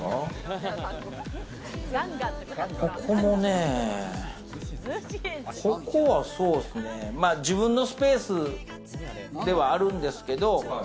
ここもね、ここはそうっすね、自分のスペースではあるんですけど。